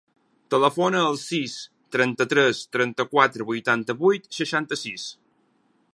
Telefona al sis, trenta-tres, trenta-quatre, vuitanta-vuit, seixanta-sis.